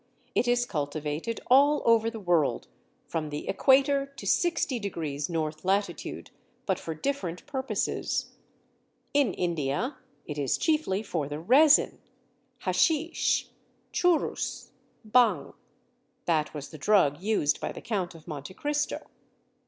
It is cultivated all over the world, from the Equator to 60° north latitude, but for different purposes. In India it is chiefly for the resin, "haschisch, churrus, bhang." (That was the drug used by the Count of Monte Cristo.)